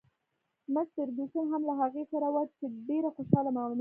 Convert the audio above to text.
مس فرګوسن هم له هغې سره وه، چې ډېره خوشحاله معلومېده.